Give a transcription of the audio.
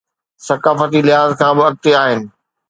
ثقافتي لحاظ کان به اڳتي آهن.